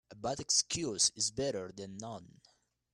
A bad excuse is better then none.